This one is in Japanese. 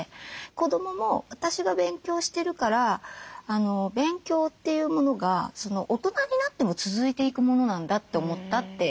子どもも私が勉強してるから勉強というものが大人になっても続いていくものなんだって思ったって。